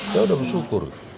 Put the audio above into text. saya sudah bersyukur